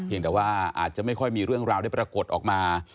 แต่ว่าอาจจะไม่ค่อยมีเรื่องราวได้ปรากฏออกมา